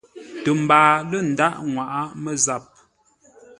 Tə mbaa lə ndághʼ nŋwaʼá mə́zap.